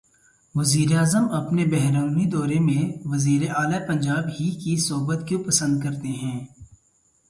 وزیراعظم اپنے بیرونی دورے میں وزیر اعلی پنجاب ہی کی صحبت کیوں پسند کرتے ہیں؟